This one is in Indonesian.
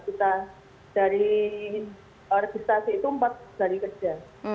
kita dari registrasi itu empat hari kerja